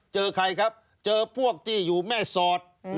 เจอใครครับเจอพวกที่อยู่แม่สอด